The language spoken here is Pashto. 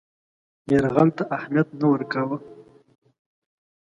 یرغل ته اهمیت نه ورکاوه.